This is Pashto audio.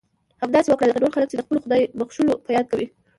همداسې وکړه لکه نور خلک یې چې د خپلو خدای بښلو په یاد کوي.